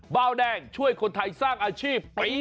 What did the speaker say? เบาแดงช่วยคนไทยสร้างอาชีพปี๒